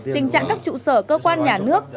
tình trạng các trụ sở cơ quan nhà nước